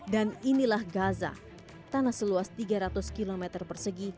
dan inilah gaza tanah seluas tiga ratus km persegi